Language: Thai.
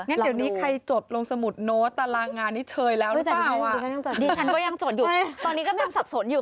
งั้นเดี๋ยวนี้ใครจดลงสมุดโน้ตตารางงานนี้เชยแล้วหรือเปล่าดิฉันก็ยังจดอยู่ตอนนี้ก็ยังสับสนอยู่